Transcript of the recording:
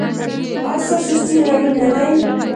ایا ستاسو شتون اړین نه دی؟